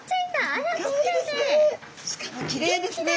しかもきれいですね